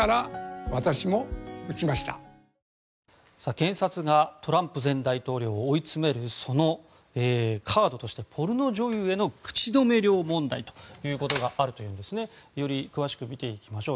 検察がトランプ前大統領を追い詰めるそのカードとしてポルノ女優への口止め料問題ということがあるというわけです。より詳しく見ていきましょう。